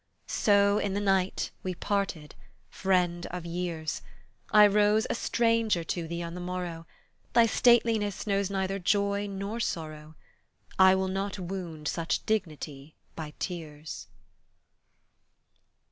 So in the night we parted, friend of years, I rose a stranger to thee on the morrow; Thy stateliness knows neither joy nor sorrow, I will not wound such dignity by tears.